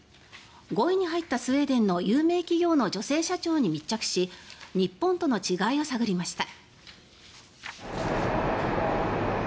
５位に入ったスウェーデンの有名企業の女性社長に密着し日本との違いを探りました。